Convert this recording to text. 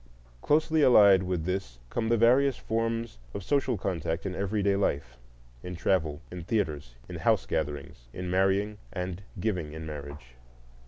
Closely allied with this come the various forms of social contact in everyday life, in travel, in theatres, in house gatherings, in marrying and giving in marriage.